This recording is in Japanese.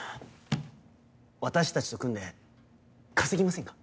私たちと組んで稼ぎませんか？